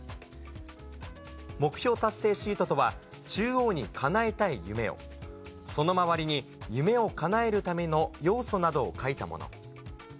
目標達成シートとは、中央にかなえたい夢を、その周りに夢をかなえるための要素などを書いたもの。